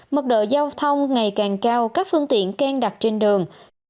mức độ giao thông ngày càng cao các phương tiện can đặt trên đường